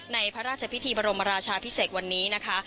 ในพระราชพิธีบรมราชาพิเศษวันนี้นะคะ